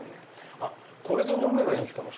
あっこれで飲めばいいんですか？